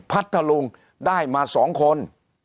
พัทธลุงได้มา๒คน